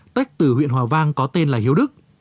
tách từ huyện hòa vang có tên là hiếu đức